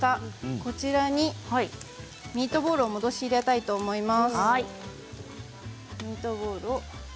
こちらにミートボールを戻し入れたいと思います。